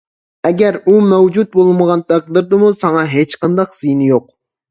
ئەگەر ئۇ مەۋجۇت بولمىغان تەقدىردىمۇ ساڭا ھېچقانداق زىيىنى يوق.